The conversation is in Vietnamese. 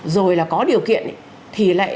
rồi là có điều kiện thì lại